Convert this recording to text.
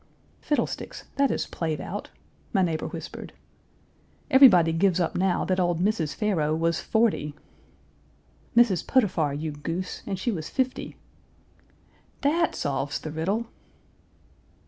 "Fiddlesticks! that is played out!" my neighbor whispered. "Everybody gives up now that old Mrs. Pharaoh was forty." "Mrs. Potiphar, you goose, and she was fifty!" "That solves the riddle."